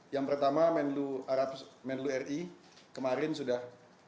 yang pertama menlu ri kemarin sudah